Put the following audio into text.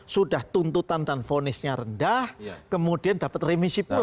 sudah tuntutan dan fonisnya rendah kemudian dapat remisi pula